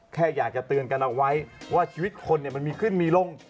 แค่อยากจะเตือนกันเอาไว้ว่าชีวิตคนมันมีขึ้นมีลง